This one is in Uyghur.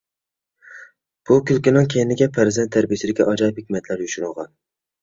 بۇ كۈلكىنىڭ كەينىگە پەرزەنت تەربىيەسىدىكى ئاجايىپ ھېكمەتلەر يوشۇرۇنغان.